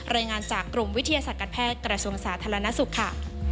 รายงานจากกรมวิทยาศาสตร์แพทย์กระทรวงสาธารณสุขค่ะ